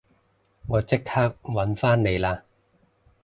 我即刻搵返你啦